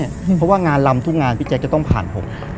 เพราะว่างานลำทุกงานพี่แจ๊คจะต้องผ่านผม